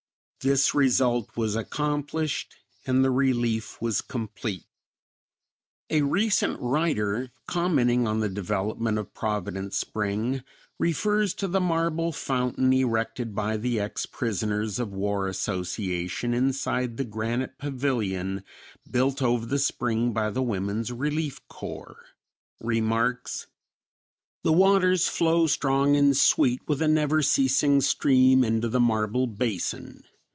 This result was accomplished and the relief was complete. A recent writer commenting on the development of Providence Spring refers to the marble fountain erected by the Ex Prisoners of War Association inside the granite pavilion built over the spring by the Woman's Relief Corps, remarks, "The waters flow strong and sweet with a never ceasing stream into the marble basin.